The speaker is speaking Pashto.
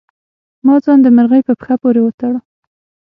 ما ځان د مرغۍ په پښه پورې وتړه.